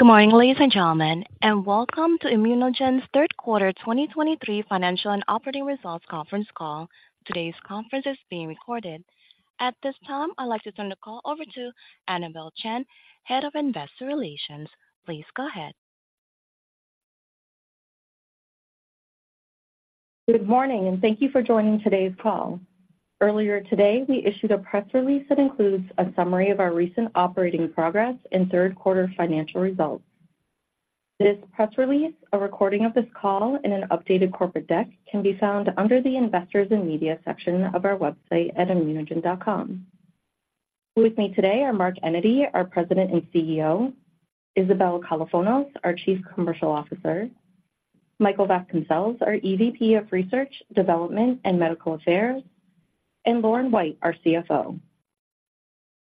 Good morning, ladies and gentlemen, and welcome to ImmunoGen's third quarter 2023 financial and operating results conference call. Today's conference is being recorded. At this time, I'd like to turn the call over to Anabel Chan, Head of Investor Relations. Please go ahead. Good morning, and thank you for joining today's call. Earlier today, we issued a press release that includes a summary of our recent operating progress and third quarter financial results. This press release, a recording of this call, and an updated corporate deck can be found under the Investors and Media section of our website at ImmunoGen.com. With me today are Mark Enyedy, our President and CEO; Isabel Kalofonos, our Chief Commercial Officer; Michael Vasconcelles, our EVP of Research, Development, and Medical Affairs; and Lauren White, our CFO.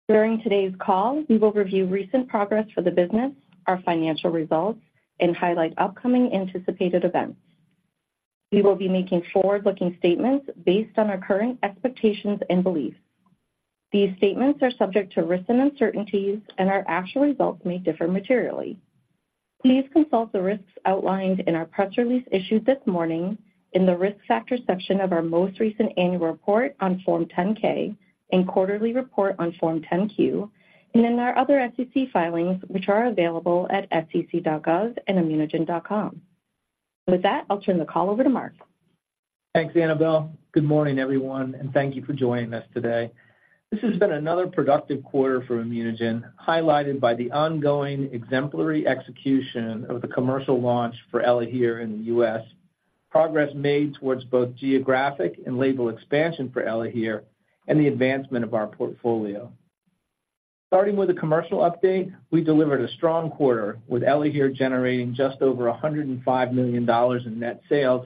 During today's call, we will review recent progress for the business, our financial results, and highlight upcoming anticipated events. We will be making forward-looking statements based on our current expectations and beliefs. These statements are subject to risks and uncertainties, and our actual results may differ materially. Please consult the risks outlined in our press release issued this morning in the Risk Factors section of our most recent annual report on Form 10-K and quarterly report on Form 10-Q, and in our other SEC filings, which are available at sec.gov and immunogen.com. With that, I'll turn the call over to Mark. Thanks, Anabel. Good morning, everyone, and thank you for joining us today. This has been another productive quarter for ImmunoGen, highlighted by the ongoing exemplary execution of the commercial launch for ELAHERE in the U.S., progress made towards both geographic and label expansion for ELAHERE, and the advancement of our portfolio. Starting with a commercial update, we delivered a strong quarter, with ELAHERE generating just over $105 million in net sales,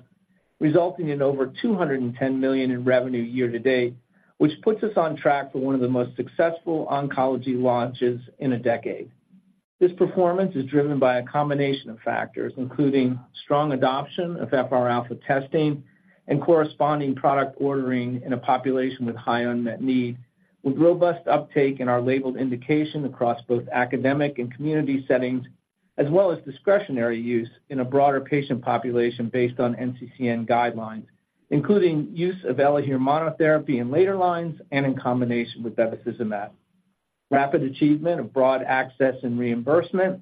resulting in over $210 million in revenue year to date, which puts us on track for one of the most successful oncology launches in a decade. This performance is driven by a combination of factors, including strong adoption of FR alpha testing and corresponding product ordering in a population with high unmet need, with robust uptake in our labeled indication across both academic and community settings, as well as discretionary use in a broader patient population based on NCCN guidelines, including use of ELAHERE monotherapy in later lines and in combination with bevacizumab. Rapid achievement of broad access and reimbursement,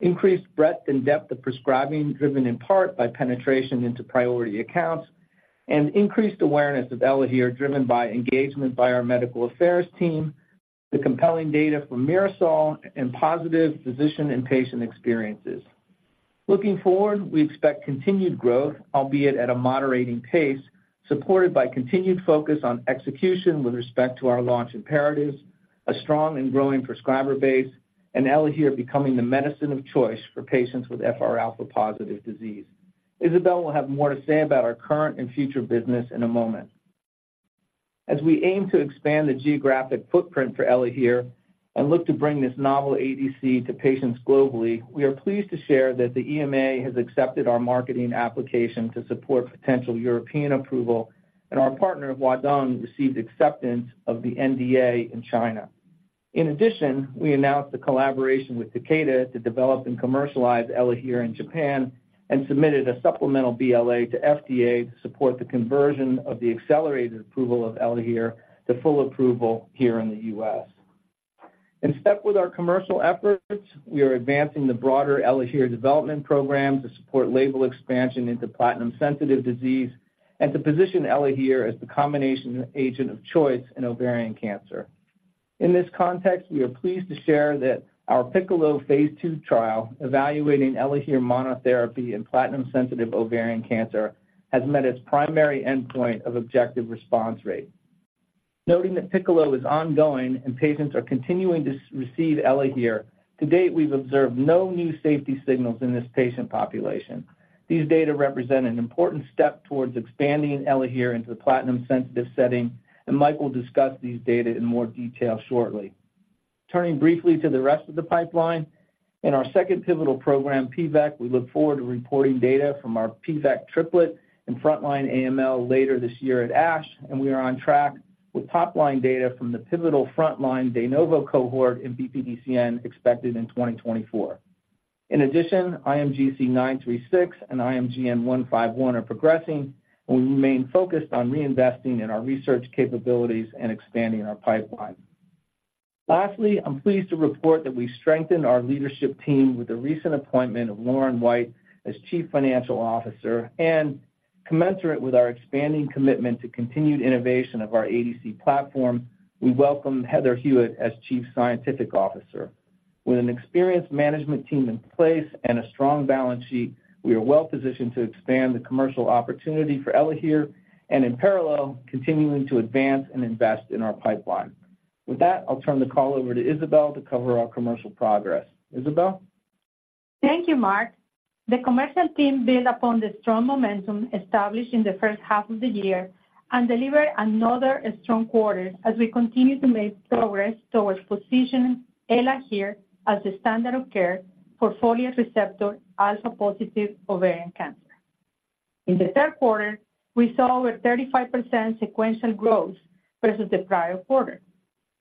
increased breadth and depth of prescribing, driven in part by penetration into priority accounts, and increased awareness of ELAHERE, driven by engagement by our medical affairs team, the compelling data from MIRASOL, and positive physician and patient experiences. Looking forward, we expect continued growth, albeit at a moderating pace, supported by continued focus on execution with respect to our launch imperatives, a strong and growing prescriber base, and ELAHERE becoming the medicine of choice for patients with FR alpha-positive disease. Isabel will have more to say about our current and future business in a moment. As we aim to expand the geographic footprint for ELAHERE and look to bring this novel ADC to patients globally, we are pleased to share that the EMA has accepted our marketing application to support potential European approval, and our partner, Huadong, received acceptance of the NDA in China. In addition, we announced a collaboration with Takeda to develop and commercialize ELAHERE in Japan and submitted a supplemental BLA to FDA to support the conversion of the accelerated approval of ELAHERE to full approval here in the US. In step with our commercial efforts, we are advancing the broader ELAHERE development program to support label expansion into platinum-sensitive disease and to position ELAHERE as the combination agent of choice in ovarian cancer. In this context, we are pleased to share that our PICCOLO Phase 2 trial, evaluating ELAHERE monotherapy in platinum-sensitive ovarian cancer, has met its primary endpoint of objective response rate. Noting that PICCOLO is ongoing and patients are continuing to receive ELAHERE, to date, we've observed no new safety signals in this patient population. These data represent an important step towards expanding ELAHERE into the platinum-sensitive setting, and Mike will discuss these data in more detail shortly. Turning briefly to the rest of the pipeline, in our second pivotal program, Pvec, we look forward to reporting data from our Pvec triplet in frontline AML later this year at ASH, and we are on track with top-line data from the pivotal frontline de novo cohort in BPDCN, expected in 2024. In addition, IMGC936 and IMGN151 are progressing, and we remain focused on reinvesting in our research capabilities and expanding our pipeline. Lastly, I'm pleased to report that we strengthened our leadership team with the recent appointment of Lauren White as Chief Financial Officer, and commensurate with our expanding commitment to continued innovation of our ADC platform, we welcome Heather Hewitt as Chief Scientific Officer. With an experienced management team in place and a strong balance sheet, we are well-positioned to expand the commercial opportunity for ELAHERE and, in parallel, continuing to advance and invest in our pipeline. With that, I'll turn the call over to Isabel to cover our commercial progress. Isabel? Thank you, Mark. The commercial team built upon the strong momentum established in the first half of the year and delivered another strong quarter as we continue to make progress towards positioning ELAHERE as the standard of care for folate receptor alpha-positive ovarian cancer. In the third quarter, we saw over 35% sequential growth versus the prior quarter.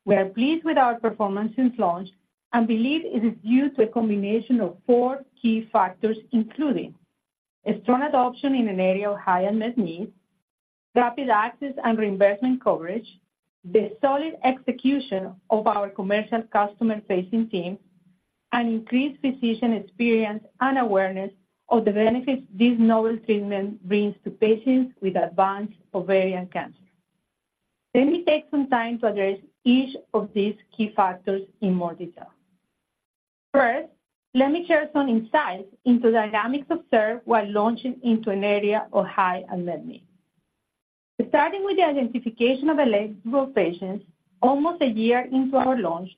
We are pleased with our performance since launch and believe it is due to a combination of four key factors, including: a strong adoption in an area of high unmet need, rapid access and reimbursement coverage, the solid execution of our commercial customer-facing team, and increased physician experience and awareness of the benefits this novel treatment brings to patients with advanced ovarian cancer. Let me take some time to address each of these key factors in more detail. First, let me share some insights into the dynamics observed while launching into an area of high unmet need. Starting with the identification of eligible patients, almost a year into our launch,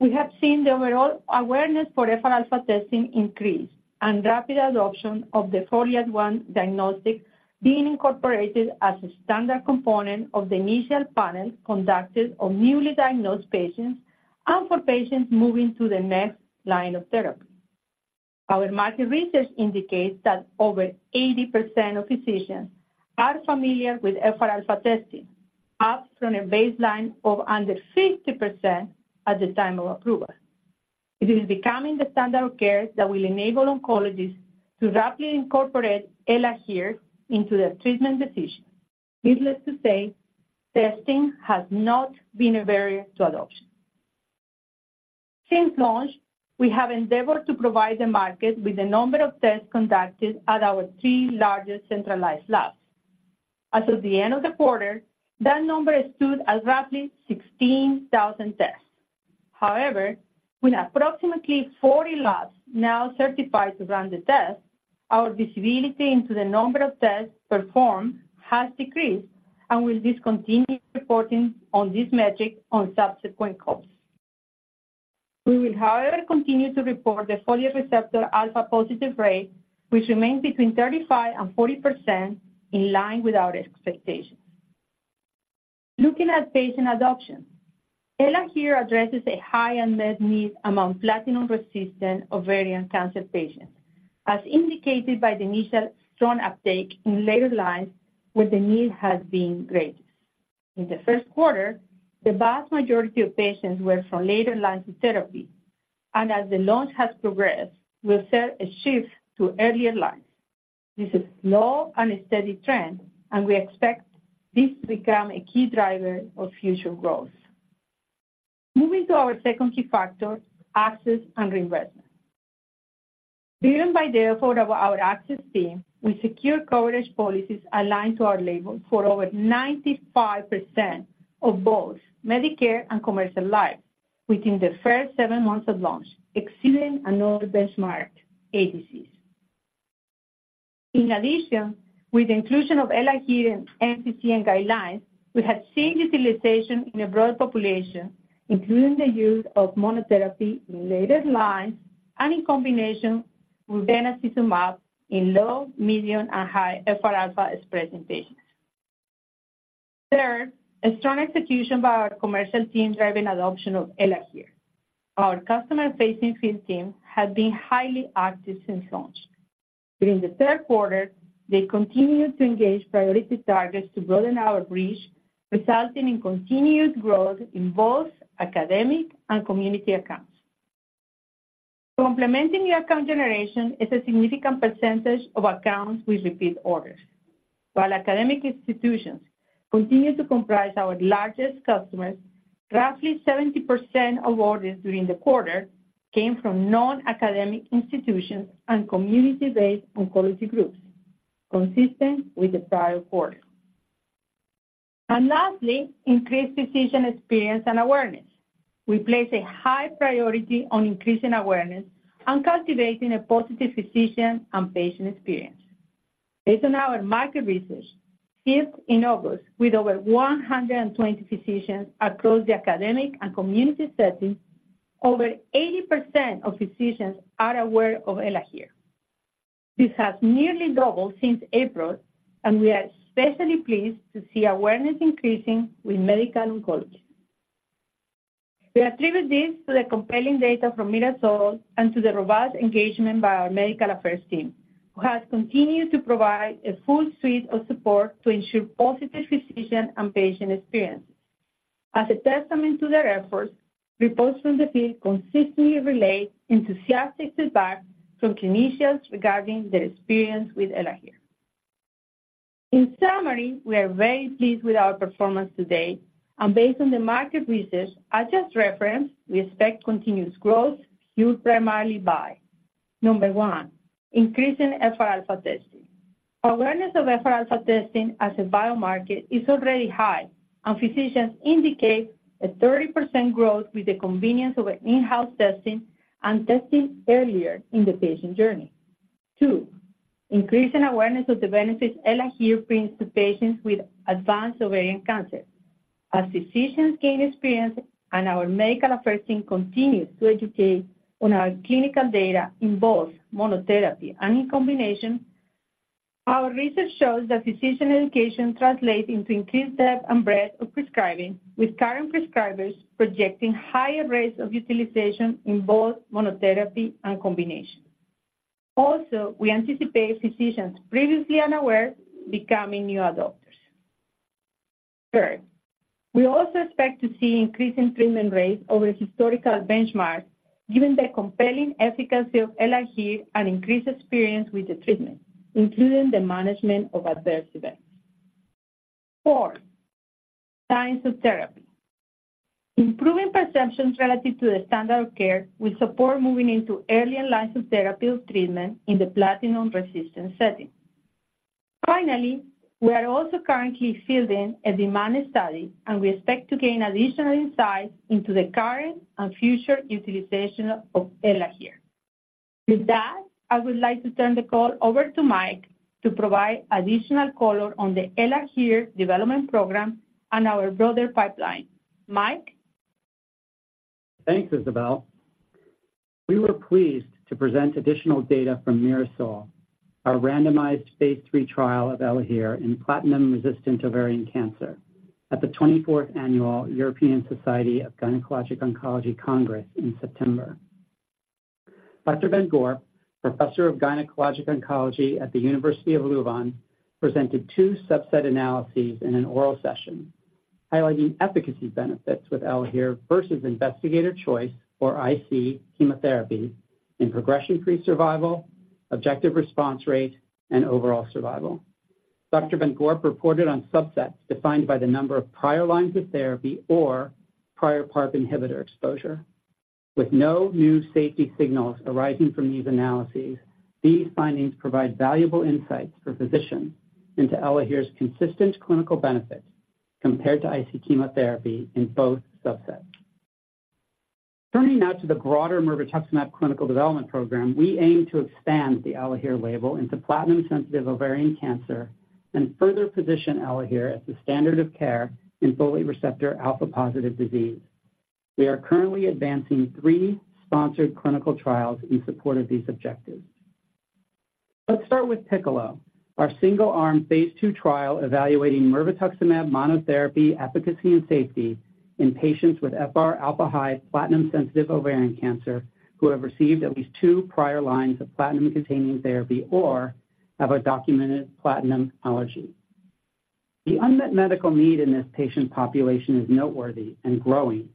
we have seen the overall awareness for FRα testing increase and rapid adoption of the FOLR1 diagnostic being incorporated as a standard component of the initial panel conducted on newly diagnosed patients and for patients moving to the next line of therapy. Our market research indicates that over 80% of physicians are familiar with FRα testing, up from a baseline of under 50% at the time of approval. It is becoming the standard of care that will enable oncologists to rapidly incorporate ELAHERE into their treatment decision. Needless to say, testing has not been a barrier to adoption. Since launch, we have endeavored to provide the market with the number of tests conducted at our three largest centralized labs. As of the end of the quarter, that number stood at roughly 16,000 tests. However, with approximately 40 labs now certified to run the test, our visibility into the number of tests performed has decreased and will discontinue reporting on this metric on subsequent calls. We will, however, continue to report the folate receptor alpha positive rate, which remains between 35% and 40%, in line with our expectations. Looking at patient adoption, ELAHERE addresses a high unmet need among platinum-resistant ovarian cancer patients, as indicated by the initial strong uptake in later lines where the need has been greatest. In the first quarter, the vast majority of patients were from later lines of therapy, and as the launch has progressed, we've seen a shift to earlier lines. This is a slow and steady trend, and we expect this to become a key driver of future growth. Moving to our second key factor, access and reimbursement. Led by the effort of our access team, we secure coverage policies aligned to our label for over 95% of both Medicare and commercial lives within the first seven months of launch, exceeding analog benchmarks. In addition, with the inclusion of ELAHERE in NCCN guidelines, we have seen utilization in a broader population, including the use of monotherapy in later lines and in combination with bevacizumab in low, medium, and high FRα-expressing patients. Third, a strong execution by our commercial team driving adoption of ELAHERE. Our customer-facing field team has been highly active since launch. During the third quarter, they continued to engage priority targets to broaden our reach, resulting in continuous growth in both academic and community accounts. Complementing the account generation is a significant percentage of accounts with repeat orders. While academic institutions continue to comprise our largest customers, roughly 70% of orders during the quarter came from non-academic institutions and community-based oncology groups, consistent with the prior quarter. Lastly, increased physician experience and awareness. We place a high priority on increasing awareness and cultivating a positive physician and patient experience. Based on our market research, fielded in August, with over 120 physicians across the academic and community settings, over 80% of physicians are aware of ELAHERE. This has nearly doubled since April, and we are especially pleased to see awareness increasing with medical oncologists. We attribute this to the compelling data from MIRASOL and to the robust engagement by our medical affairs team, who has continued to provide a full suite of support to ensure positive physician and patient experience. As a testament to their efforts, reports from the field consistently relate enthusiastic feedback from clinicians regarding their experience with ELAHERE. In summary, we are very pleased with our performance today, and based on the market research I just referenced, we expect continuous growth, fueled primarily by, number one, increasing FRα testing. Awareness of FRα testing as a biomarker is already high, and physicians indicate a 30% growth with the convenience of an in-house testing and testing earlier in the patient journey. Two, increasing awareness of the benefits ELAHERE brings to patients with advanced ovarian cancer. As physicians gain experience and our medical affairs team continues to educate on our clinical data in both monotherapy and in combination, our research shows that physician education translates into increased depth and breadth of prescribing, with current prescribers projecting higher rates of utilization in both monotherapy and combination. Also, we anticipate physicians previously unaware becoming new adopters. Third, we also expect to see increasing treatment rates over historical benchmarks, given the compelling efficacy of ELAHERE and increased experience with the treatment, including the management of adverse events. Four, Sequence of therapy. Improving perceptions relative to the standard of care will support moving into earlier lines of therapy of treatment in the platinum-resistant setting. Finally, we are also currently fielding a demand study, and we expect to gain additional insights into the current and future utilization of ELAHERE. With that, I would like to turn the call over to Mike to provide additional color on the ELAHERE development program and our broader pipeline. Mike? Thanks, Isabel. We were pleased to present additional data from MIRASOL, our randomized phase 3 trial of ELAHERE in platinum-resistant ovarian cancer, at the 24th Annual European Society of Gynecologic Oncology Congress in September. Dr. Van Gorp, Professor of Gynecologic Oncology at the University of Leuven, presented two subset analyses in an oral session, highlighting efficacy benefits with ELAHERE versus investigator choice, or IC chemotherapy, in progression-free survival, objective response rate, and overall survival. Dr. Van Gorp reported on subsets defined by the number of prior lines of therapy or prior PARP inhibitor exposure. With no new safety signals arising from these analyses, these findings provide valuable insights for physicians into ELAHERE's consistent clinical benefit compared to IC chemotherapy in both subsets. Turning now to the broader mirvetuximab clinical development program, we aim to expand the ELAHERE label into platinum-sensitive ovarian cancer and further position ELAHERE as the standard of care in folate receptor alpha-positive disease. We are currently advancing three sponsored clinical trials in support of these objectives. Let's start with PICCOLO, our single-arm phase 2 trial evaluating mirvetuximab monotherapy efficacy and safety in patients with FR alpha-high platinum-sensitive ovarian cancer, who have received at least two prior lines of platinum-containing therapy or have a documented platinum allergy. The unmet medical need in this patient population is noteworthy and growing,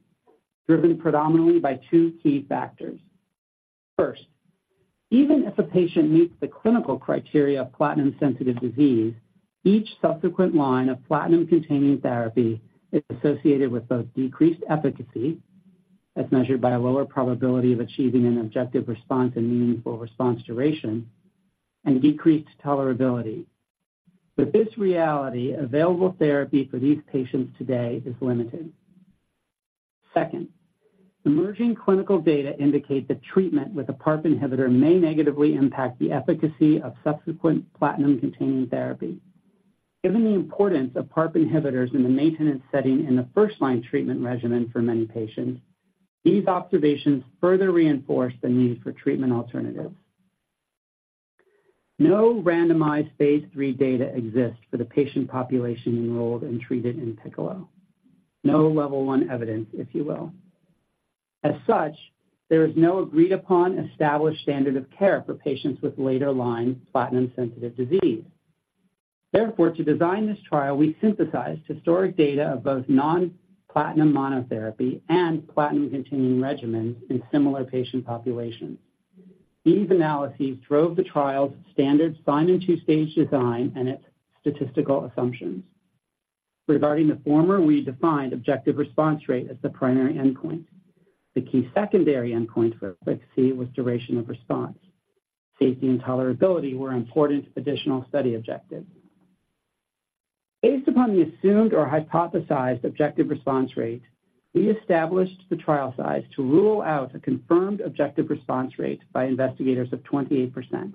driven predominantly by two key factors. First, even if a patient meets the clinical criteria of platinum-sensitive disease, each subsequent line of platinum-containing therapy is associated with both decreased efficacy, as measured by a lower probability of achieving an objective response and meaningful response duration, and decreased tolerability. With this reality, available therapy for these patients today is limited. Second, emerging clinical data indicate that treatment with a PARP inhibitor may negatively impact the efficacy of subsequent platinum-containing therapy. Given the importance of PARP inhibitors in the maintenance setting in the first-line treatment regimen for many patients, these observations further reinforce the need for treatment alternatives. No randomized phase 3 data exists for the patient population enrolled and treated in PICCOLO. No level one evidence, if you will. As such, there is no agreed-upon established standard of care for patients with later-line platinum-sensitive disease. Therefore, to design this trial, we synthesized historic data of both non-platinum monotherapy and platinum-containing regimens in similar patient populations. These analyses drove the trial's standard Simon two-stage design and its statistical assumptions. Regarding the former, we defined objective response rate as the primary endpoint. The key secondary endpoint for efficacy was duration of response. Safety and tolerability were important additional study objectives. Based upon the assumed or hypothesized objective response rate, we established the trial size to rule out a confirmed objective response rate by investigators of 28%,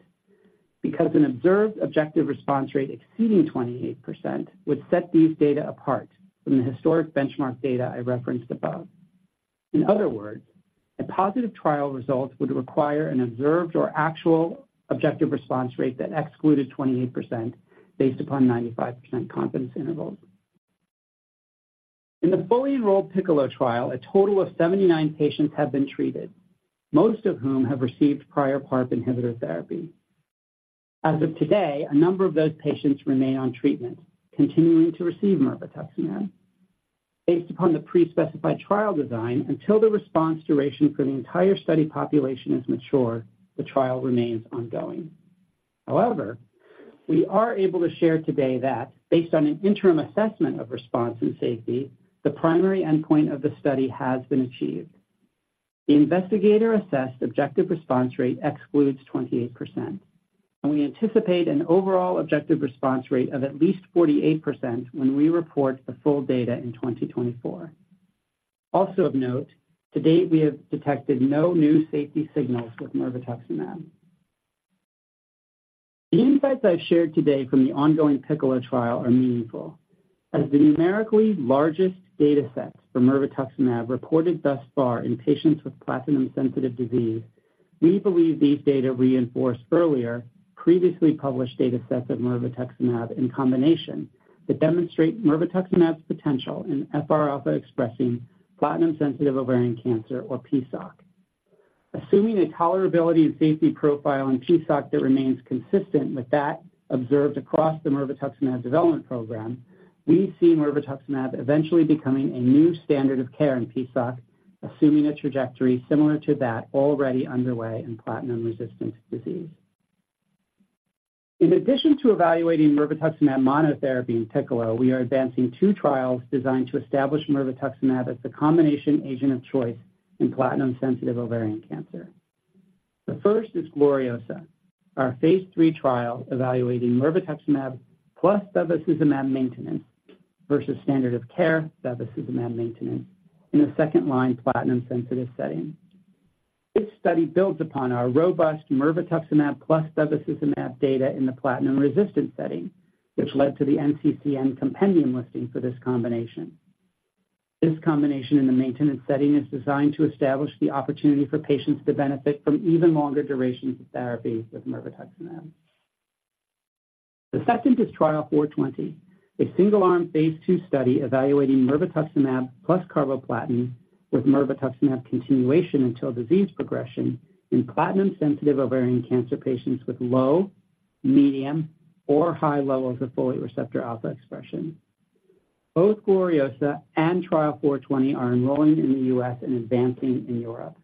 because an observed objective response rate exceeding 28% would set these data apart from the historic benchmark data I referenced above. In other words, a positive trial result would require an observed or actual objective response rate that excluded 28% based upon 95% confidence intervals. In the fully enrolled PICCOLO trial, a total of 79 patients have been treated, most of whom have received prior PARP inhibitor therapy. As of today, a number of those patients remain on treatment, continuing to receive mirvetuximab. Based upon the pre-specified trial design, until the response duration for the entire study population is mature, the trial remains ongoing. However, we are able to share today that based on an interim assessment of response and safety, the primary endpoint of the study has been achieved. The investigator-assessed objective response rate excludes 28%, and we anticipate an overall objective response rate of at least 48% when we report the full data in 2024. Also of note, to date, we have detected no new safety signals with mirvetuximab. The insights I've shared today from the ongoing PICCOLO trial are meaningful. As the numerically largest data set for mirvetuximab reported thus far in patients with platinum-sensitive disease, we believe these data reinforce earlier, previously published data sets of mirvetuximab in combination that demonstrate mirvetuximab's potential in FR alpha-expressing platinum-sensitive ovarian cancer, or PSOC. Assuming a tolerability and safety profile in PSOC that remains consistent with that observed across the mirvetuximab development program, we see mirvetuximab eventually becoming a new standard of care in PSOC, assuming a trajectory similar to that already underway in platinum-resistant disease. In addition to evaluating mirvetuximab monotherapy in PICCOLO, we are advancing two trials designed to establish mirvetuximab as the combination agent of choice in platinum-sensitive ovarian cancer. The first is GLORIOSA, our phase 3 trial evaluating mirvetuximab plus bevacizumab maintenance versus standard of care bevacizumab maintenance in a second-line platinum-sensitive setting. This study builds upon our robust mirvetuximab plus bevacizumab data in the platinum-resistant setting, which led to the NCCN compendium listing for this combination. This combination in the maintenance setting is designed to establish the opportunity for patients to benefit from even longer durations of therapy with mirvetuximab. The second is Trial 0420, a single-arm phase 2 study evaluating mirvetuximab plus carboplatin, with mirvetuximab continuation until disease progression in platinum-sensitive ovarian cancer patients with low, medium, or high levels of folate receptor alpha expression. Both GLORIOSA and Trial 0420 are enrolling in the US and advancing in Europe.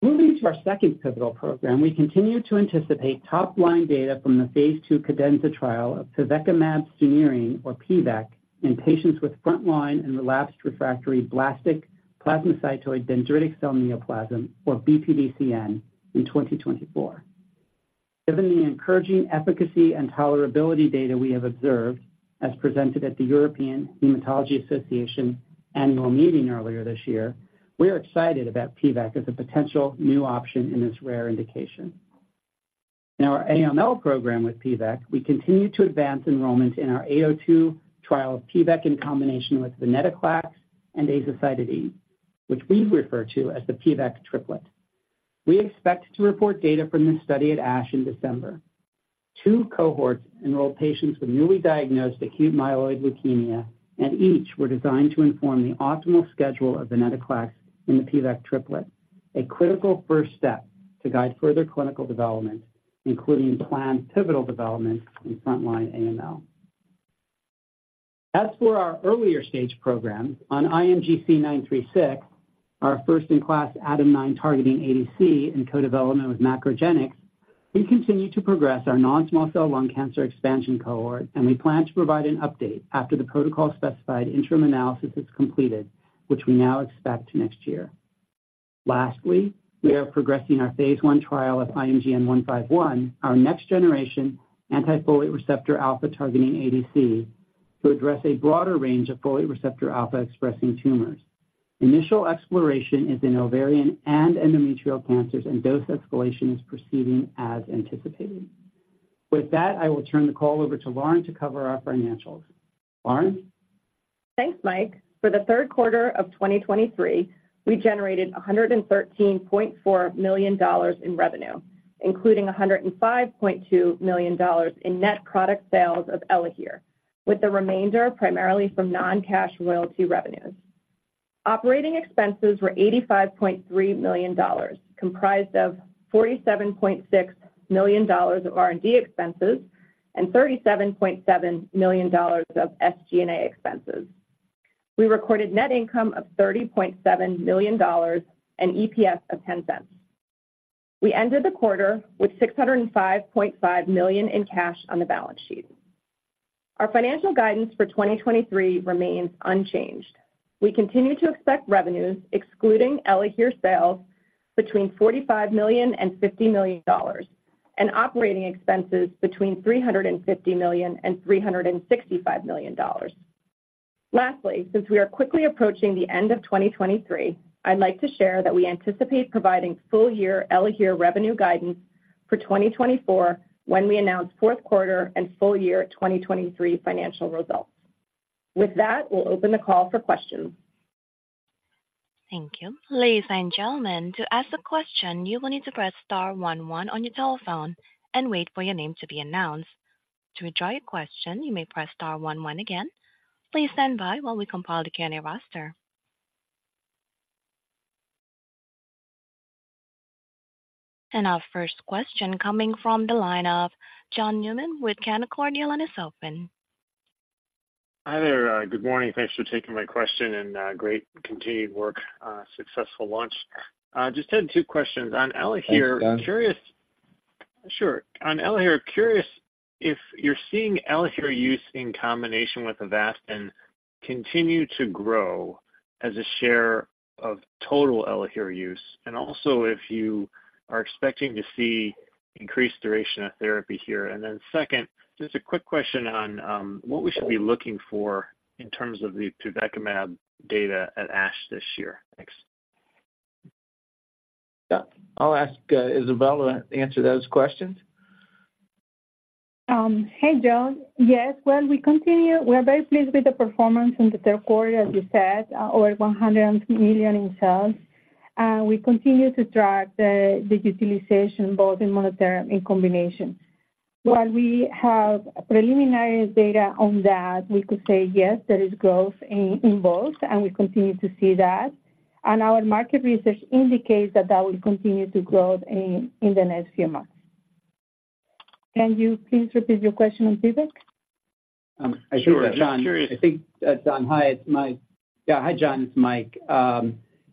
Moving to our second pivotal program, we continue to anticipate top-line data from the phase 2 CADENZA trial of pivekimab sunirine, or pvec, in patients with frontline and relapsed refractory blastic plasmacytoid dendritic cell neoplasm, or BPDCN, in 2024. Given the encouraging efficacy and tolerability data we have observed, as presented at the European Hematology Association annual meeting earlier this year, we are excited about pvec as a potential new option in this rare indication. In our AML program with pvec, we continue to advance enrollment in our 802 trial of pvec in combination with venetoclax and azacitidine, which we refer to as the pvec triplet. We expect to report data from this study at ASH in December. Two cohorts enroll patients with newly diagnosed acute myeloid leukemia, and each were designed to inform the optimal schedule of venetoclax in the pvec triplet, a critical first step to guide further clinical development, including planned pivotal development in frontline AML. As for our earlier stage program on IMGC936, our first-in-class ADAM9 targeting ADC in co-development with MacroGenics, we continue to progress our non-small cell lung cancer expansion cohort, and we plan to provide an update after the protocol-specified interim analysis is completed, which we now expect next year. Lastly, we are progressing our phase 1 trial of IMGN151, our next-generation anti-folate receptor alpha targeting ADC, to address a broader range of folate receptor alpha-expressing tumors. Initial exploration is in ovarian and endometrial cancers, and dose escalation is proceeding as anticipated. With that, I will turn the call over to Lauren to cover our financials. Lauren? Thanks, Mike. For the third quarter of 2023, we generated $113.4 million in revenue, including $105.2 million in net product sales of ELAHERE, with the remainder primarily from non-cash royalty revenues. Operating expenses were $85.3 million, comprised of $47.6 million of R&D expenses and $37.7 million of SG&A expenses. We recorded net income of $30.7 million and EPS of $0.10. We ended the quarter with $605.5 million in cash on the balance sheet. Our financial guidance for 2023 remains unchanged. We continue to expect revenues excluding ELAHERE sales between $45 million and $50 million, and operating expenses between $350 million and $365 million. Lastly, since we are quickly approaching the end of 2023, I'd like to share that we anticipate providing full-year ELAHERE revenue guidance for 2024 when we announce fourth quarter and full year 2023 financial results. With that, we'll open the call for questions. Thank you. Ladies and gentlemen, to ask a question, you will need to press star one one on your telephone and wait for your name to be announced. To withdraw your question, you may press star one one again. Please stand by while we compile the Q&A roster. Our first question coming from the line of John Newman with Canaccord. Your line is open. Hi there. Good morning. Thanks for taking my question, and great continued work, successful launch. Just had two questions. On ELAHERE- Thanks, John. Curious... Sure. On ELAHERE, curious if you're seeing ELAHERE use in combination with Avastin continue to grow as a share of total ELAHERE use, and also if you are expecting to see increased duration of therapy here. Then second, just a quick question on what we should be looking for in terms of the pivekimab data at ASH this year. Thanks. Yeah. I'll ask Isabel to answer those questions. Hey, John. Yes, well, we continue. We are very pleased with the performance in the third quarter, as you said, over $100 million in sales, and we continue to track the utilization both in monotherapy and combination. Well, we have preliminary data on that. We could say, yes, there is growth in both, and we continue to see that. Our market research indicates that that will continue to grow in the next few months. Can you please repeat your question on feedback? Sure. John, I think, John. Hi, it's Mike. Yeah, hi, John, it's Mike.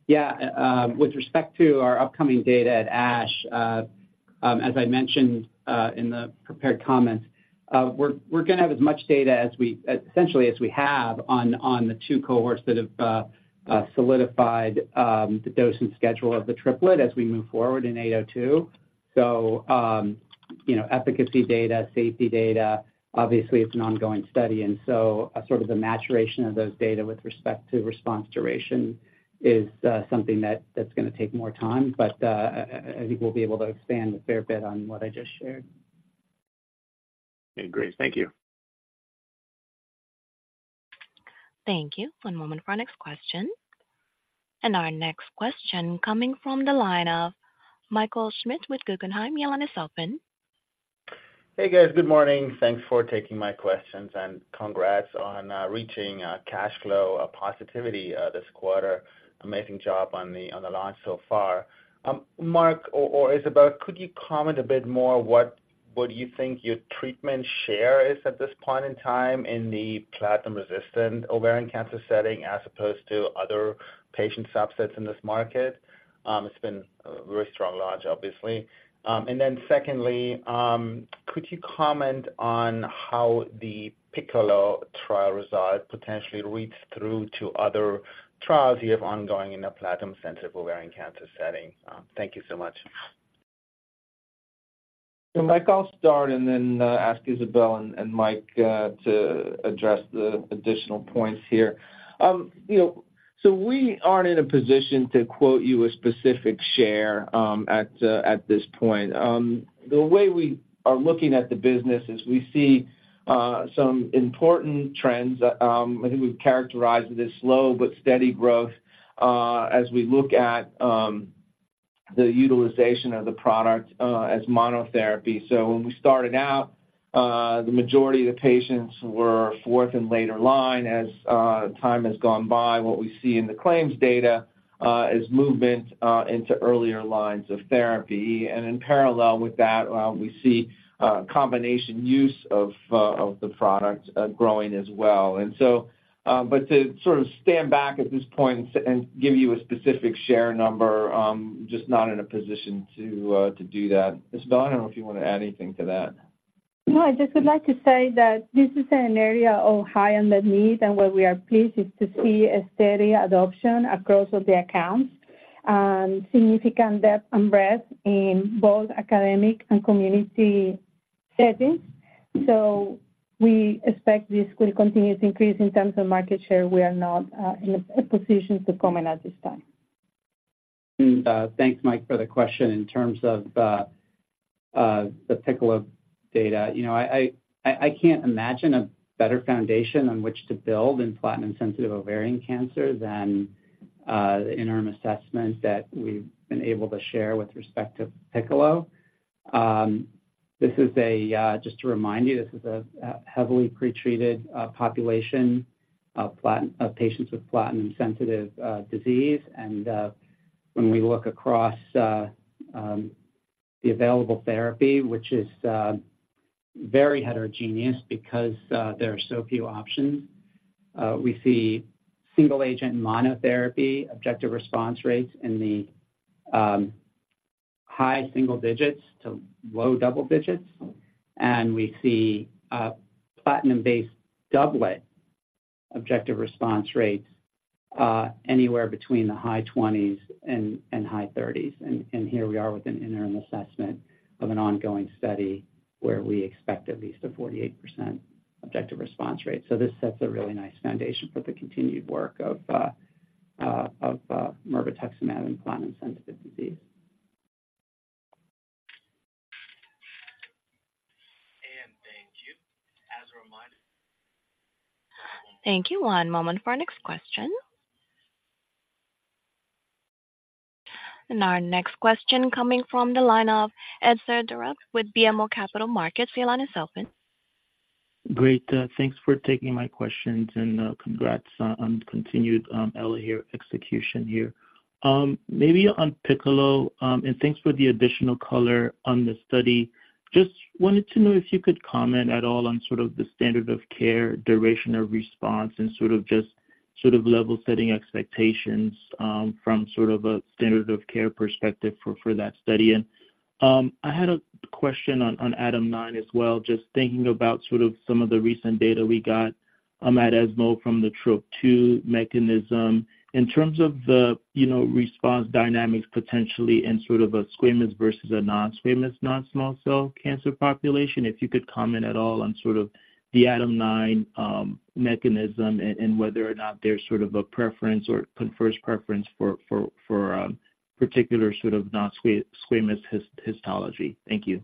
Yeah, with respect to our upcoming data at ASH, as I mentioned, in the prepared comments, we're, we're gonna have as much data as we, essentially, as we have on, on the two cohorts that have, solidified, the dose and schedule of the triplet as we move forward in 802. So, you know, efficacy data, safety data, obviously it's an ongoing study, and so sort of the maturation of those data with respect to response duration is, something that- that's gonna take more time, but, I think we'll be able to expand a fair bit on what I just shared. Okay, great. Thank you. Thank you. One moment for our next question. Our next question coming from the line of Michael Schmidt with Guggenheim. Your line is open. Hey, guys. Good morning. Thanks for taking my questions, and congrats on reaching cash flow positivity this quarter. Amazing job on the launch so far. Mark or Isabel, could you comment a bit more, what you think your treatment share is at this point in time in the platinum-resistant ovarian cancer setting, as opposed to other patient subsets in this market? It's been a very strong launch, obviously. And then secondly, could you comment on how the PICCOLO trial results potentially read through to other trials you have ongoing in a platinum-sensitive ovarian cancer setting? Thank you so much. So Mike, I'll start and then ask Isabel and Mike to address the additional points here. You know, so we aren't in a position to quote you a specific share at this point. The way we are looking at the business is we see some important trends. I think we've characterized it as slow but steady growth as we look at the utilization of the product as monotherapy. So when we started out, the majority of the patients were fourth and later line. As time has gone by, what we see in the claims data is movement into earlier lines of therapy. And in parallel with that, we see combination use of the product growing as well. And so, but to sort of stand back at this point and give you a specific share number, just not in a position to do that. Isabel, I don't know if you want to add anything to that. No, I just would like to say that this is an area of high unmet need, and where we are pleased is to see a steady adoption across all the accounts, significant depth and breadth in both academic and community settings. So we expect this will continue to increase. In terms of market share, we are not, in a position to comment at this time. Thanks, Mike, for the question. In terms of the Piccolo data, you know, I can't imagine a better foundation on which to build in platinum-sensitive ovarian cancer than the interim assessment that we've been able to share with respect to Piccolo. This is a just to remind you, this is a heavily pretreated population of patients with platinum-sensitive disease. When we look across the available therapy, which is very heterogeneous because there are so few options, we see single-agent monotherapy objective response rates in the high single digits to low double digits. We see platinum-based doublet objective response rates anywhere between the high twenties and high thirties. Here we are with an interim assessment of an ongoing study where we expect at least a 48% objective response rate. So this sets a really nice foundation for the continued work of mirvetuximab in platinum-sensitive disease. Thank you. As a reminder- Thank you. One moment for our next question. Our next question coming from the line of Etzer Darout with BMO Capital Markets. Your line is open. Great. Thanks for taking my questions, and congrats on continued LHR execution here. Maybe on PICCOLO, and thanks for the additional color on the study. Just wanted to know if you could comment at all on sort of the standard of care, duration of response, and sort of just sort of level-setting expectations from sort of a standard of care perspective for that study. And I had a question on ADAM9 as well. Just thinking about sort of some of the recent data we got at ESMO from the TROP-2 mechanism. In terms of the, you know, response dynamics potentially in sort of a squamous versus a non-squamous, non-small cell cancer population, if you could comment at all on sort of the ADAM9 mechanism and whether or not there's sort of a preference or confers preference for particular sort of non-squamous histology. Thank you.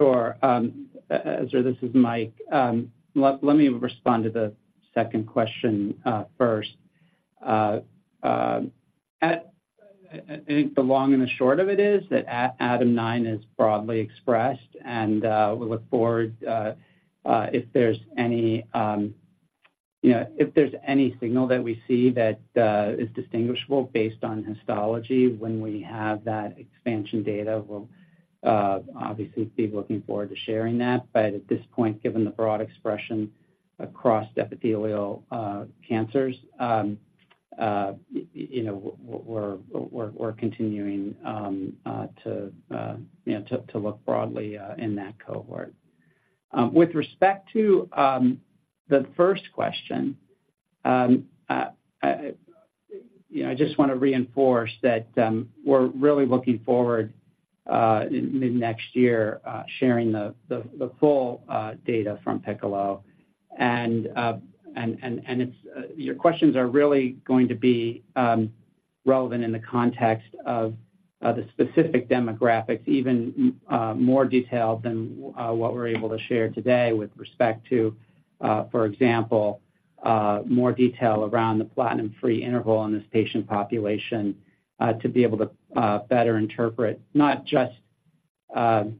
Sure. So this is Mike. Let me respond to the second question first. I think the long and the short of it is that ADAM9 is broadly expressed, and we look forward if there's any, you know, if there's any signal that we see that is distinguishable based on histology, when we have that expansion data, we'll obviously be looking forward to sharing that. But at this point, given the broad expression across epithelial cancers, you know, we're continuing to, you know, to look broadly in that cohort. With respect to the first question, you know, I just wanna reinforce that we're really looking forward mid-next year sharing the full data from PICCOLO. Your questions are really going to be relevant in the context of the specific demographics, even more detailed than what we're able to share today with respect to, for example, more detail around the platinum-free interval in this patient population, to be able to better interpret not just the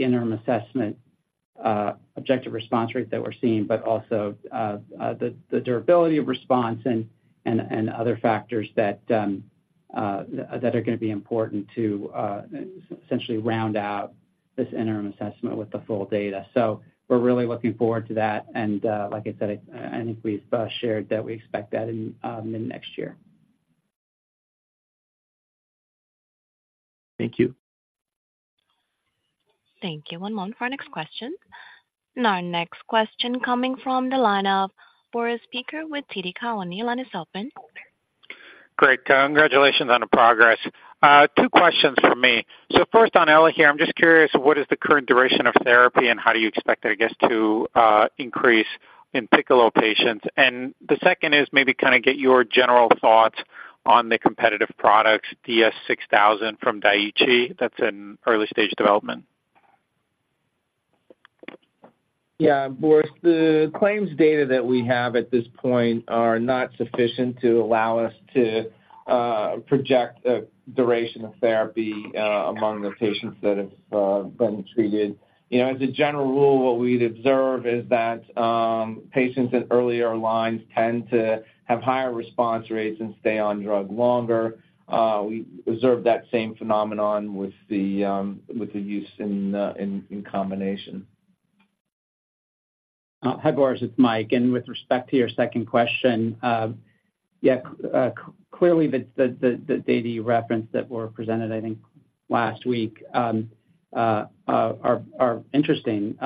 interim assessment objective response rates that we're seeing, but also the durability of response and other factors that are gonna be important to essentially round out this interim assessment with the full data. So we're really looking forward to that, and like I said, I think we've shared that we expect that in mid-next year. Thank you. Thank you. One moment for our next question. And our next question coming from the line of Boris Peaker with TD Cowen. Your line is open. Great. Congratulations on the progress. Two questions from me. So first, on ELAHERE, I'm just curious, what is the current duration of therapy, and how do you expect that, I guess, to increase in PICCOLO patients? And the second is maybe kind of get your general thoughts on the competitive products, DS-6000 from Daiichi, that's in early stage development. Yeah, Boris, the claims data that we have at this point are not sufficient to allow us to project a duration of therapy among the patients that have been treated. You know, as a general rule, what we'd observe is that patients in earlier lines tend to have higher response rates and stay on drug longer. We observe that same phenomenon with the use in combination. Hi, Boris, it's Mike. And with respect to your second question, yeah, clearly, the data you referenced that were presented, I think, last week, are interesting.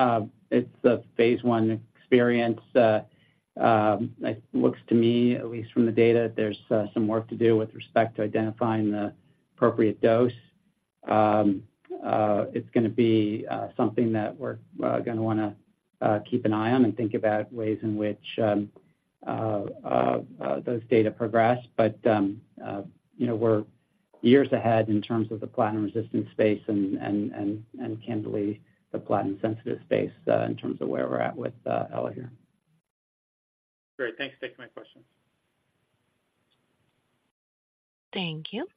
It's a phase I experience. It looks to me, at least from the data, there's some work to do with respect to identifying the appropriate dose. It's gonna be something that we're gonna wanna keep an eye on and think about ways in which those data progress. But, you know, we're years ahead in terms of the platinum-resistant space and can believe the platinum-sensitive space, in terms of where we're at with ELAHERE. Great. Thanks for taking my questions. Thank you.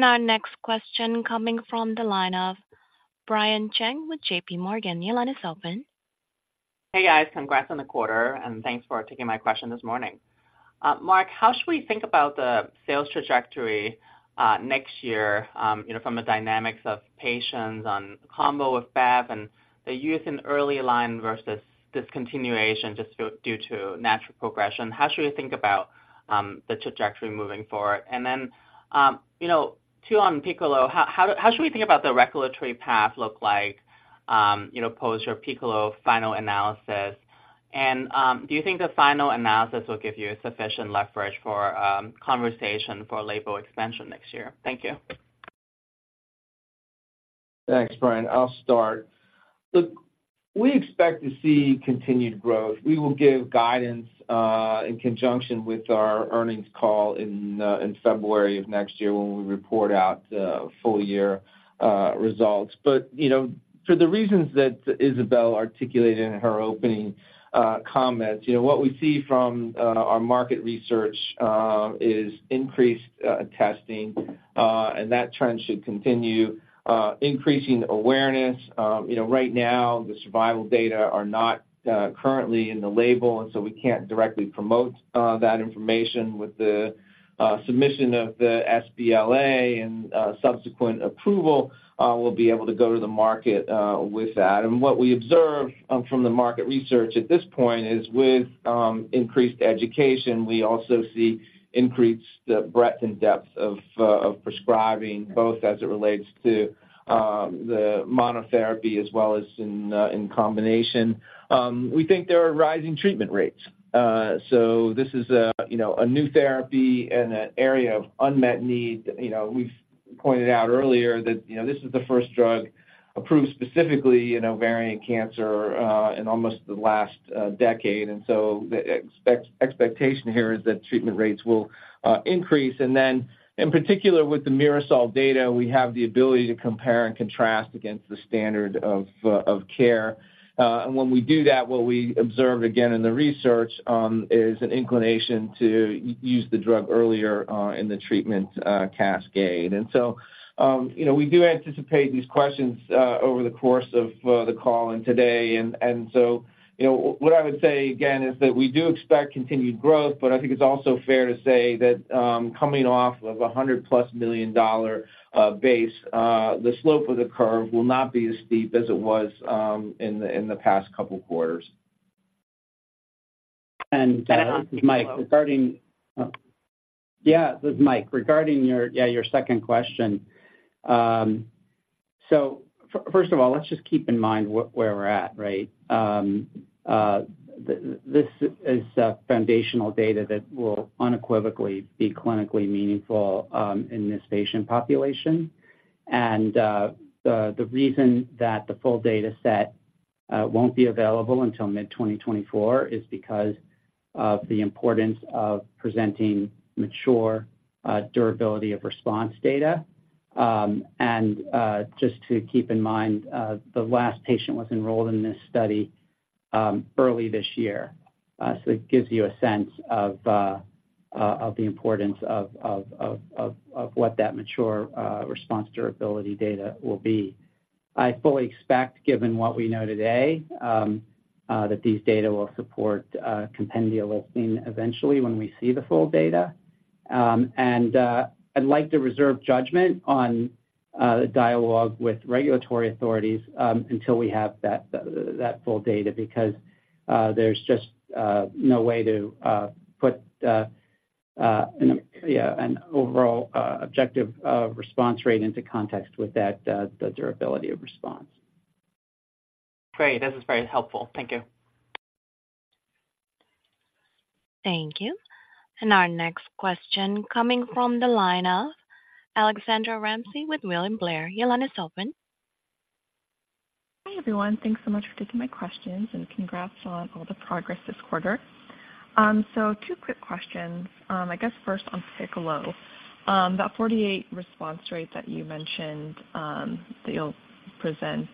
Our next question coming from the line of Brian Cheng with J.P. Morgan. Your line is open. Hey, guys. Congrats on the quarter, and thanks for taking my question this morning. Mark, how should we think about the sales trajectory next year, you know, from the dynamics of patients on combo of bev and the use in early line versus discontinuation just due to natural progression? How should we think about the trajectory moving forward? And then, you know, two, on PICCOLO, how should we think about the regulatory path look like, you know, post your PICCOLO final analysis? And, do you think the final analysis will give you sufficient leverage for conversation for label expansion next year? Thank you. Thanks, Brian. I'll start. Look, we expect to see continued growth. We will give guidance in conjunction with our earnings call in February of next year, when we report out full year results. But, you know, for the reasons that Isabel articulated in her opening comments, you know, what we see from our market research is increased testing and that trend should continue, increasing awareness. You know, right now, the survival data are not currently in the label, and so we can't directly promote that information. With the submission of the sBLA and subsequent approval, we'll be able to go to the market with that. And what we observe from the market research at this point is with increased education, we also see increased breadth and depth of prescribing, both as it relates to the monotherapy as well as in combination. We think there are rising treatment rates. So this is a, you know, a new therapy and an area of unmet need. You know, we've pointed out earlier that, you know, this is the first drug approved specifically in ovarian cancer in almost the last decade. And so the expectation here is that treatment rates will increase. And then in particular, with the MIRASOL data, we have the ability to compare and contrast against the standard of care. And when we do that, what we observe, again in the research, is an inclination to use the drug earlier in the treatment cascade. And so, you know, we do anticipate these questions over the course of the call and today. And so, you know, what I would say again is that we do expect continued growth, but I think it's also fair to say that, coming off of a $100+ million base, the slope of the curve will not be as steep as it was in the past couple quarters. This is Mike. Regarding your second question, so first of all, let's just keep in mind where we're at, right? This is foundational data that will unequivocally be clinically meaningful in this patient population. And the reason that the full data set won't be available until mid-2024 is because of the importance of presenting mature durability of response data. And just to keep in mind, the last patient was enrolled in this study early this year. So it gives you a sense of the importance of what that mature response durability data will be. I fully expect, given what we know today, that these data will support a compendial listing eventually when we see the full data. And, I'd like to reserve judgment on the dialogue with regulatory authorities until we have that, that full data, because there's just no way to put yeah, an overall objective response rate into context with that, the durability of response. Great, this is very helpful. Thank you. Thank you. And our next question coming from the line of Alexandra Ramsey with William Blair. Your line is open. Hi, everyone. Thanks so much for taking my questions, and congrats on all the progress this quarter. So two quick questions. I guess first on PICCOLO. That 48 response rate that you mentioned, that you'll present,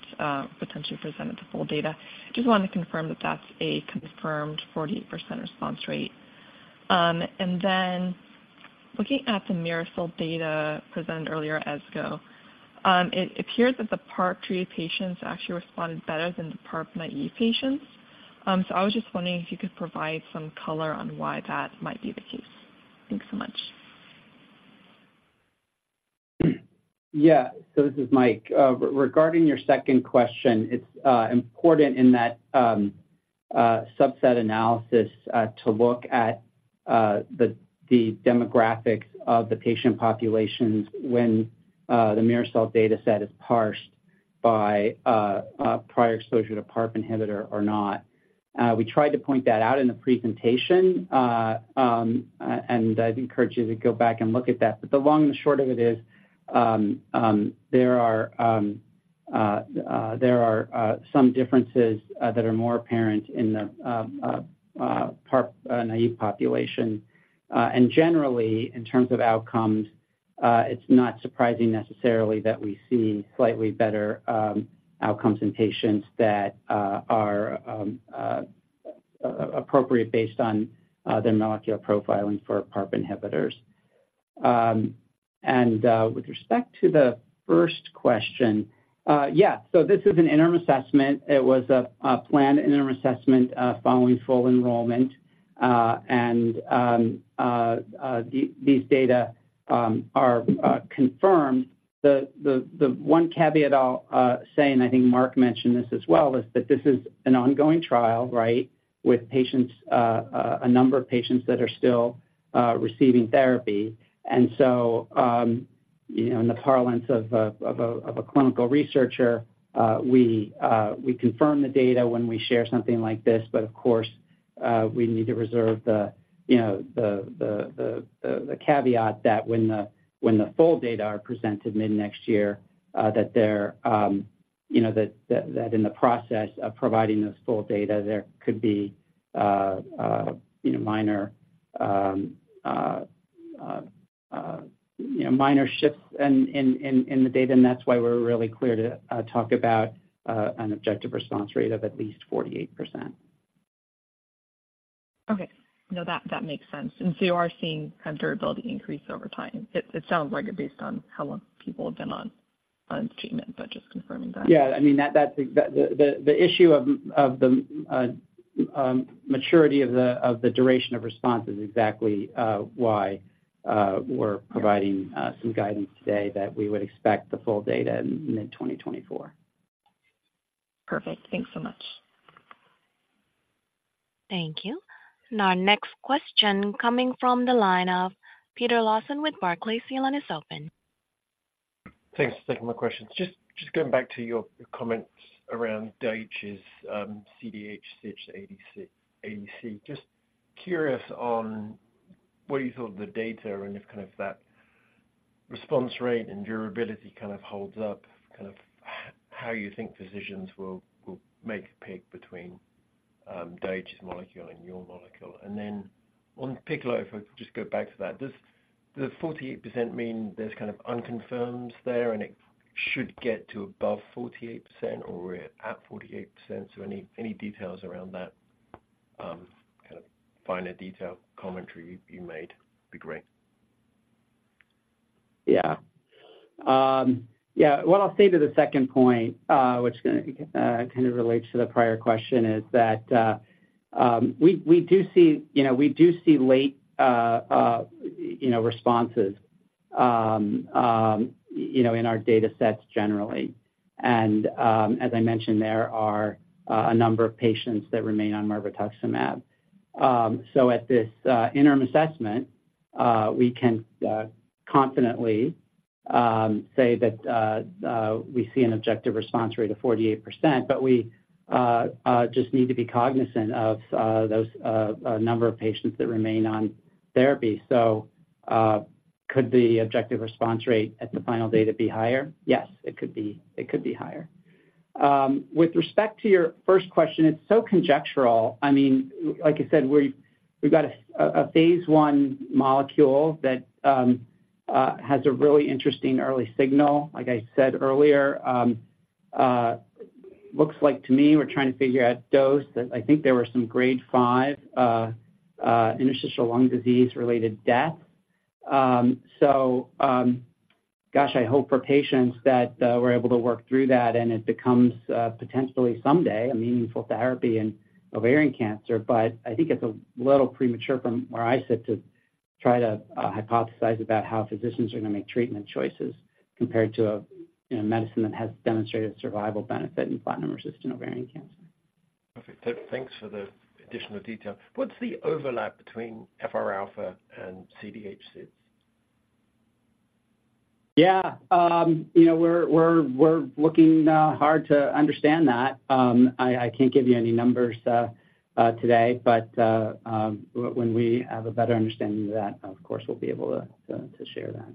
potentially present at the full data, just wanted to confirm that that's a confirmed 48% response rate. And then looking at the MIRASOL data presented earlier at ASCO, it appears that the PARP-treated patients actually responded better than the PARP naive patients. So I was just wondering if you could provide some color on why that might be the case. Thanks so much. Yeah. So this is Mike. Regarding your second question, it's important in that subset analysis to look at the demographics of the patient populations when the MIRASOL data set is parsed by prior exposure to PARP inhibitor or not. We tried to point that out in the presentation, and I'd encourage you to go back and look at that. But the long and short of it is, there are some differences that are more apparent in the PARP-naive population. And generally, in terms of outcomes, it's not surprising necessarily that we see slightly better outcomes in patients that are appropriate based on their molecular profiling for PARP inhibitors. With respect to the first question, yeah, so this is an interim assessment. It was a planned interim assessment following full enrollment, and these data are confirmed. The one caveat I'll say, and I think Mark mentioned this as well, is that this is an ongoing trial, right? With a number of patients that are still receiving therapy. And so, you know, in the parlance of a clinical researcher, we confirm the data when we share something like this, but of course, we need to reserve the, you know, the caveat that when the full data are presented mid-next year, that they're, you know, that in the process of providing those full data, there could be, you know, minor shifts in the data, and that's why we're really clear to talk about an objective response rate of at least 48%. Okay. No, that makes sense. And so you are seeing kind of durability increase over time. It sounds like based on how long people have been on treatment, but just confirming that. Yeah, I mean, that's the issue of the maturity of the duration of response is exactly why we're providing- Yeah... some guidance today, that we would expect the full data in mid-2024. Perfect. Thanks so much. Thank you. Our next question coming from the line of Peter Lawson with Barclays. Your line is open. Thanks for taking my questions. Just going back to your comments around Daiichi's CDH6 ADC. Just curious on what you thought of the data and if kind of that response rate and durability kind of holds up, kind of-... how you think physicians will make a pick between Daiichi's molecule and your molecule. And then on PICCOLO, if I could just go back to that, does the 48% mean there's kind of unconfirmeds there, and it should get to above 48%, or we're at 48%? So any details around that, kind of finer detail commentary you made would be great. Yeah. Yeah, what I'll say to the second point, which kind of relates to the prior question, is that, we do see, you know, we do see late, you know, responses, you know, in our datasets generally. And, as I mentioned, there are a number of patients that remain on mirvetuximab. So at this interim assessment, we can confidently say that we see an objective response rate of 48%, but we just need to be cognizant of those number of patients that remain on therapy. So, could the objective response rate at the final data be higher? Yes, it could be - it could be higher. With respect to your first question, it's so conjectural. I mean, like I said, we've got a phase 1 molecule that has a really interesting early signal. Like I said earlier, looks like to me, we're trying to figure out dose. That I think there were some grade 5 interstitial lung disease-related death. So, gosh, I hope for patients that we're able to work through that, and it becomes potentially someday, a meaningful therapy in ovarian cancer. But I think it's a little premature from where I sit, to try to hypothesize about how physicians are going to make treatment choices compared to a, you know, medicine that has demonstrated survival benefit in platinum-resistant ovarian cancer. Perfect. So thanks for the additional detail. What's the overlap between FR alpha and CDH6? Yeah. You know, we're looking hard to understand that. I can't give you any numbers today, but when we have a better understanding of that, of course, we'll be able to share that.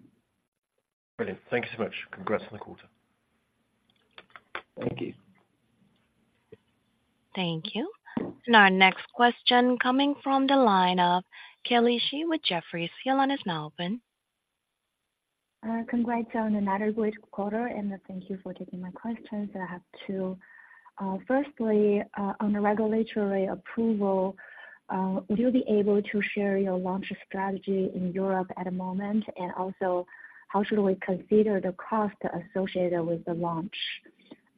Brilliant. Thank you so much. Congrats on the quarter. Thank you. Thank you. And our next question coming from the line of Kelly Shi with Jefferies. Your line is now open. Congrats on another great quarter, and thank you for taking my questions. I have two. Firstly, on the regulatory approval, would you be able to share your launch strategy in Europe at the moment? And also, how should we consider the cost associated with the launch?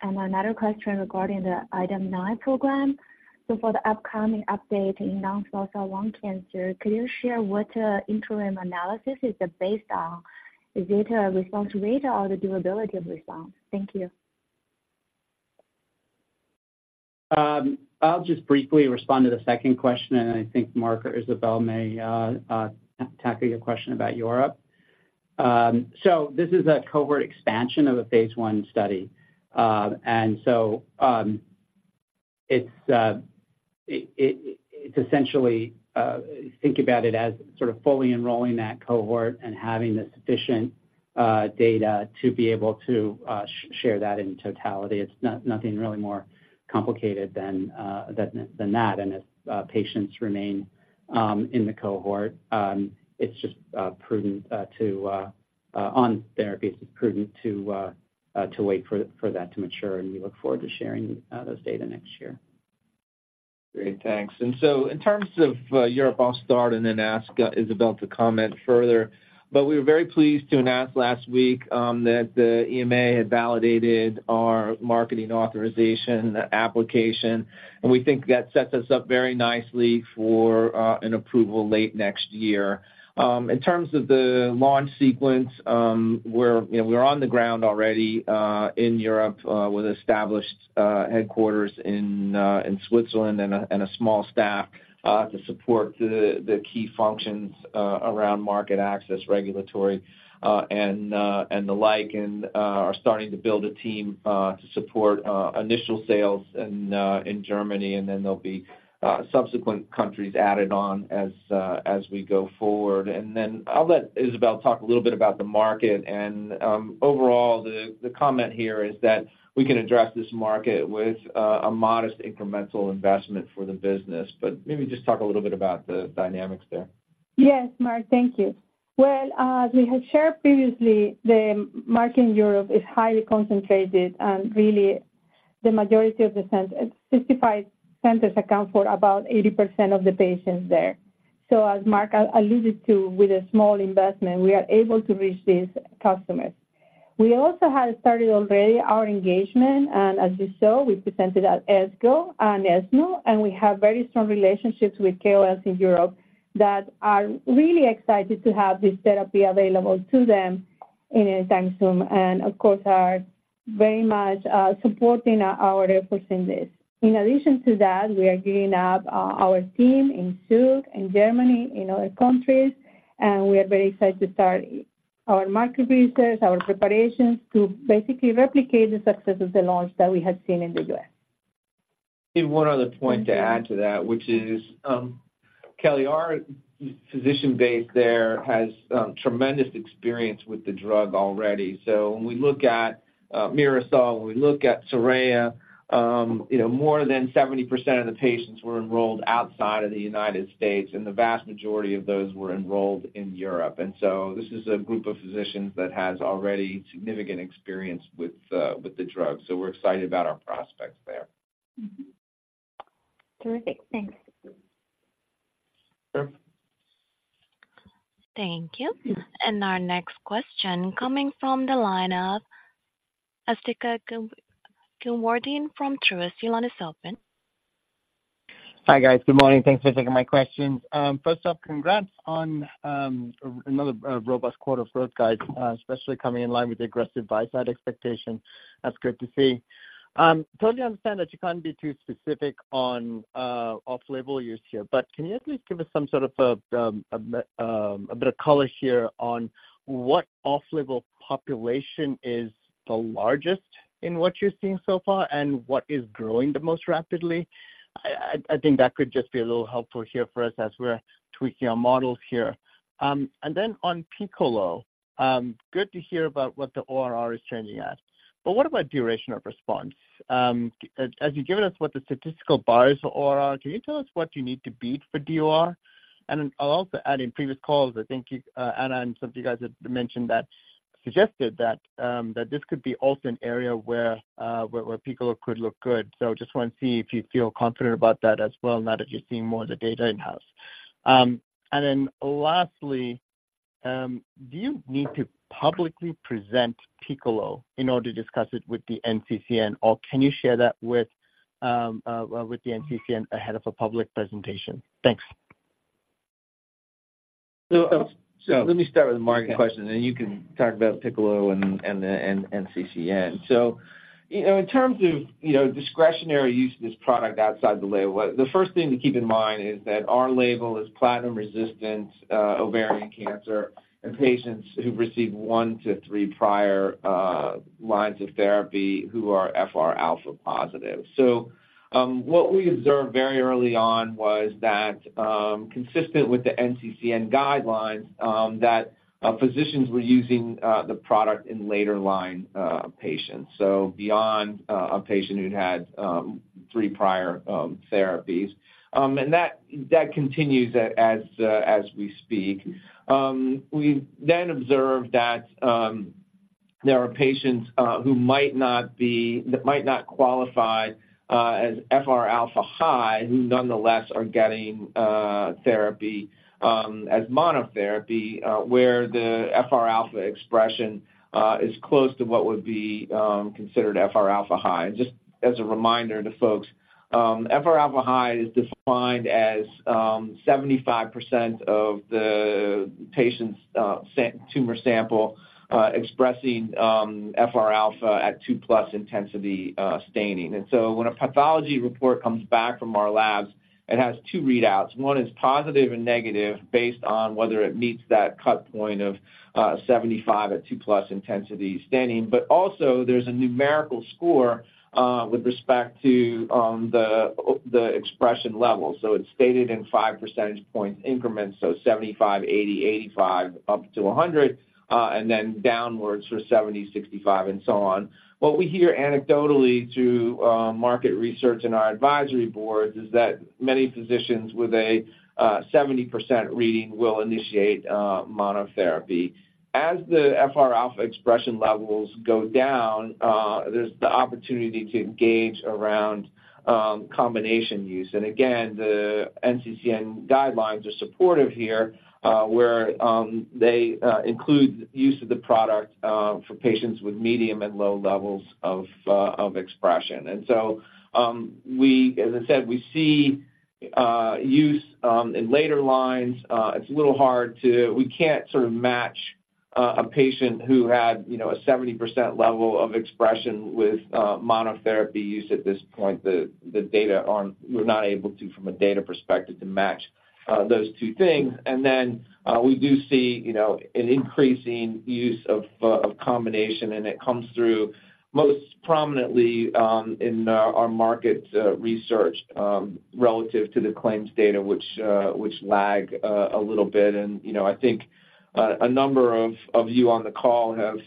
And another question regarding the IMGN program. So for the upcoming update in non-small cell lung cancer, could you share what interim analysis is it based on? Is it a response rate or the durability of response? Thank you. I'll just briefly respond to the second question, and I think Mark or Isabel may tackle your question about Europe. So this is a cohort expansion of a phase one study. It's essentially think about it as sort of fully enrolling that cohort and having the sufficient data to be able to share that in totality. It's nothing really more complicated than that. And as patients remain in the cohort on therapy, it's just prudent to wait for that to mature, and we look forward to sharing those data next year. Great, thanks. So in terms of Europe, I'll start and then ask Isabel to comment further. We were very pleased to announce last week that the EMA had validated our marketing authorization application, and we think that sets us up very nicely for an approval late next year. In terms of the launch sequence, you know, we're on the ground already in Europe with established headquarters in Switzerland and a small staff to support the key functions around market access, regulatory, and the like, and are starting to build a team to support initial sales in Germany, and then there'll be subsequent countries added on as we go forward. And then I'll let Isabel talk a little bit about the market and, overall, the comment here is that we can address this market with a modest incremental investment for the business, but maybe just talk a little bit about the dynamics there. Yes, Mark, thank you. Well, as we had shared previously, the market in Europe is highly concentrated, and really the majority of the centers, 55 centers account for about 80% of the patients there. So as Mark alluded to, with a small investment, we are able to reach these customers. We also have started already our engagement, and as you saw, we presented at ASCO and ESMO, and we have very strong relationships with KOLs in Europe that are really excited to have this therapy available to them in a time soon, and of course, are very much supporting our efforts in this. In addition to that, we are gearing up our team in Switzerland, in Germany, in other countries, and we are very excited to start our market research, our preparations to basically replicate the success of the launch that we have seen in the U.S. Give one other point to add to that, which is, Kelly, our physician base there has tremendous experience with the drug already. So when we look at MIRASOL, when we look at SORAYA, you know, more than 70% of the patients were enrolled outside of the United States, and the vast majority of those were enrolled in Europe. And so this is a group of physicians that has already significant experience with the drug, so we're excited about our prospects there. Mm-hmm. Terrific. Thanks. Sure. Thank you. Our next question coming from the line of Asthika Goonewardene from Truist. Your line is open. Hi, guys. Good morning. Thanks for taking my questions. First off, congrats on another robust quarter of growth, guys, especially coming in line with the aggressive buy-side expectations. That's good to see. Totally understand that you can't be too specific on off-label use here, but can you at least give us some sort of a bit of color here on what off-label population is the largest in what you're seeing so far, and what is growing the most rapidly? I think that could just be a little helpful here for us as we're tweaking our models here. And then on PICCOLO, good to hear about what the ORR is trending at, but what about duration of response? As you've given us what the statistical bar is for ORR, can you tell us what you need to beat for DOR? And I'll also add, in previous calls, I think you, Anna, and some of you guys had mentioned that, suggested that, that this could be also an area where, where PICCOLO could look good. So just want to see if you feel confident about that as well, now that you're seeing more of the data in-house. And then lastly, do you need to publicly present PICCOLO in order to discuss it with the NCCN, or can you share that with, with the NCCN ahead of a public presentation? Thanks. So let me start with the market question, and then you can talk about PICCOLO and the NCCN. So, you know, in terms of, you know, discretionary use of this product outside the label, the first thing to keep in mind is that our label is platinum-resistant ovarian cancer in patients who've received one to three prior lines of therapy who are FR alpha positive. So, what we observed very early on was that, consistent with the NCCN guidelines, that physicians were using the product in later line patients, so beyond a patient who'd had three prior therapies. And that continues as we speak. We then observed that there are patients who might not be... That might not qualify as FR alpha high, who nonetheless are getting therapy as monotherapy where the FR alpha expression is close to what would be considered FR alpha high. Just as a reminder to folks, FR alpha high is defined as 75% of the patient's tumor sample expressing FR alpha at 2+ intensity staining. And so when a pathology report comes back from our labs, it has two readouts. One is positive and negative, based on whether it meets that cut point of 75 at 2+ intensity staining. But also, there's a numerical score with respect to the expression level. So it's stated in 5 percentage point increments, so 75, 80, 85, up to 100, and then downwards for 70, 65, and so on. What we hear anecdotally through market research and our advisory boards is that many physicians with a 70% reading will initiate monotherapy. As the FR alpha expression levels go down, there's the opportunity to engage around combination use. And again, the NCCN guidelines are supportive here, where they include use of the product for patients with medium and low levels of expression. And so, as I said, we see use in later lines. It's a little hard to—we can't sort of match a patient who had, you know, a 70% level of expression with monotherapy use at this point. The data aren't... We're not able to, from a data perspective, to match those two things. And then, we do see, you know, an increasing use of combination, and it comes through most prominently in our market research relative to the claims data, which lag a little bit. And, you know, I think a number of you on the call have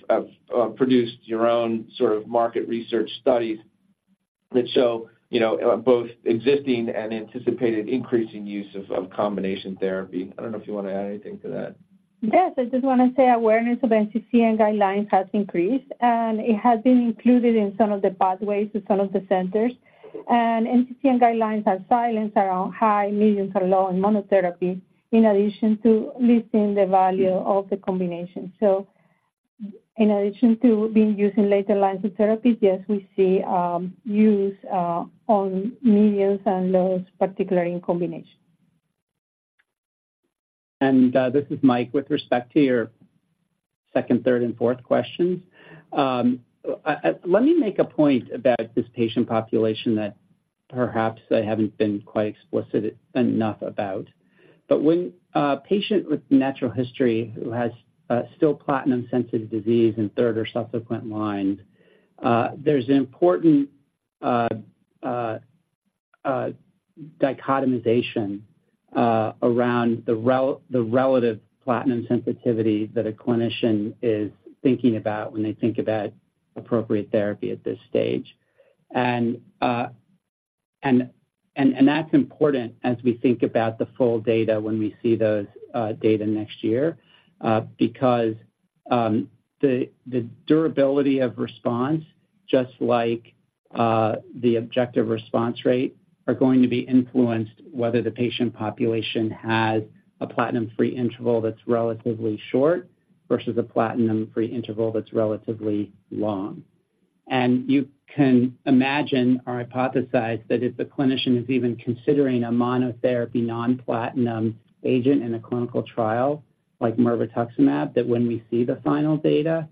produced your own sort of market research studies that show, you know, both existing and anticipated increasing use of combination therapy. I don't know if you want to add anything to that. Yes, I just want to say awareness of NCCN guidelines has increased, and it has been included in some of the pathways to some of the centers. NCCN guidelines are silent around high, medium, or low in monotherapy, in addition to listing the value of the combination. In addition to being used in later lines of therapy, yes, we see use on mediums and lows, particularly in combination. This is Mike. With respect to your second, third, and fourth questions, let me make a point about this patient population that perhaps I haven't been quite explicit enough about... But when a patient with natural history who has still platinum-sensitive disease in third or subsequent lines, there's an important dichotomization around the relative platinum sensitivity that a clinician is thinking about when they think about appropriate therapy at this stage. That's important as we think about the full data when we see those data next year, because the durability of response, just like the objective response rate, are going to be influenced whether the patient population has a platinum-free interval that's relatively short versus a platinum-free interval that's relatively long. And you can imagine or hypothesize that if the clinician is even considering a monotherapy non-platinum agent in a clinical trial, like mirvetuximab, that when we see the final data,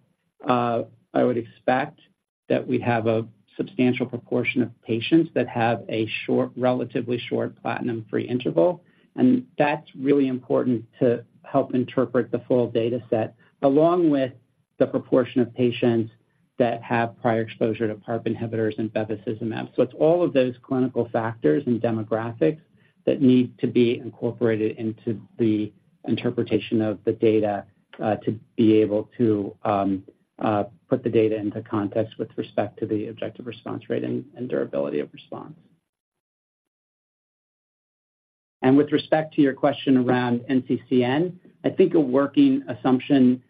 I would expect that we'd have a substantial proportion of patients that have a short, relatively short, platinum-free interval. And that's really important to help interpret the full data set, along with the proportion of patients that have prior exposure to PARP inhibitors and bevacizumab. So it's all of those clinical factors and demographics that need to be incorporated into the interpretation of the data, to be able to put the data into context with respect to the objective response rate and, and durability of response. With respect to your question around NCCN, I think a working assumption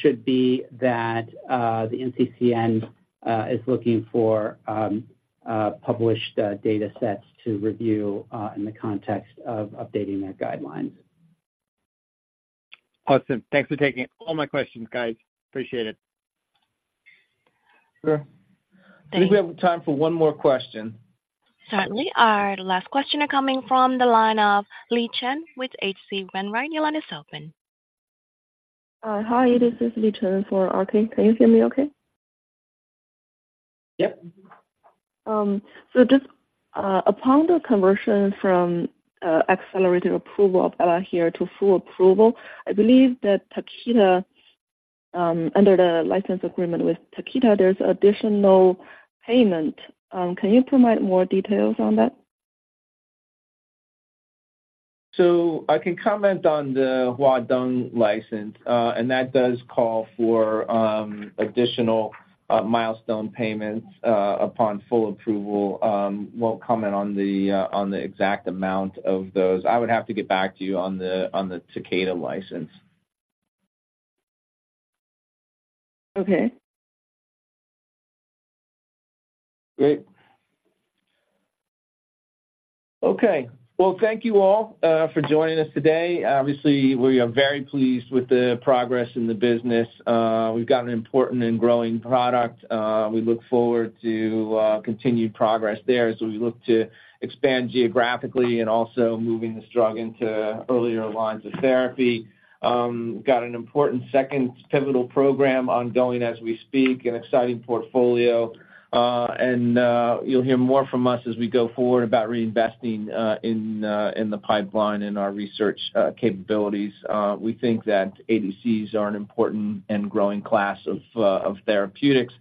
should be that the NCCN is looking for published data sets to review in the context of updating their guidelines. Awesome. Thanks for taking all my questions, guys. Appreciate it. Sure. Thanks. I think we have time for one more question. Certainly. Our last question are coming from the line of Li Chen with H.C. Wainwright. Your line is open. Hi, this is Li Chen for RK. Can you hear me okay? Yep. So just, upon the conversion from accelerated approval of ELAHERE to full approval, I believe that Takeda, under the license agreement with Takeda, there's additional payment. Can you provide more details on that? So I can comment on the Huadong license, and that does call for additional milestone payments upon full approval. Won't comment on the exact amount of those. I would have to get back to you on the Takeda license. Okay. Great. Okay, well, thank you all for joining us today. Obviously, we are very pleased with the progress in the business. We've got an important and growing product. We look forward to continued progress there as we look to expand geographically and also moving this drug into earlier lines of therapy. Got an important second pivotal program ongoing as we speak, an exciting portfolio, and you'll hear more from us as we go forward about reinvesting in in the pipeline and our research capabilities. We think that ADCs are an important and growing class of therapeutics.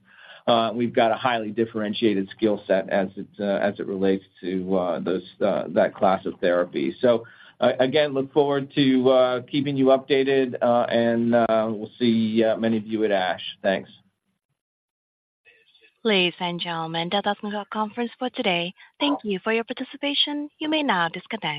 We've got a highly differentiated skill set as it as it relates to those that class of therapy. So, again, look forward to keeping you updated, and we'll see many of you at ASH. Thanks. Ladies and gentlemen, that does end our conference for today. Thank you for your participation. You may now disconnect.